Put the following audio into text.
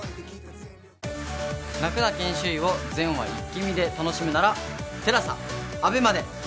『泣くな研修医』を全話イッキ見で楽しむならＴＥＬＡＳＡＡＢＥＭＡで。